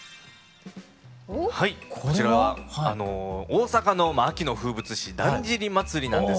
はいこちらは大阪の秋の風物詩「だんじり祭り」なんですけれども。